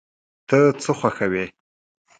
ته څه خوښوې؟